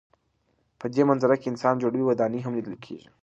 په دې منظره کې انسان جوړې ودانۍ هم لیدل کېږي.